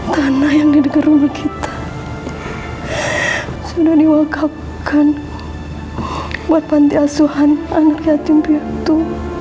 tanah yang di dekat rumah kita sudah diwakapkan buat panti asuhan anak yatim piatu